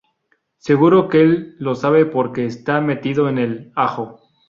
Seguro que él lo sabe porque está metido en el ajo